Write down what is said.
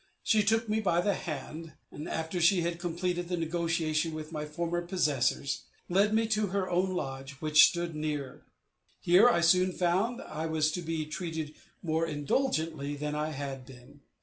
She took me by the hand, after she had completed the negotiation with my former possessors, and led me to her own lodge, which stood near. Here I soon found I was to be treated more indulgently than I had been.